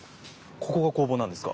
ここが工房なんですか？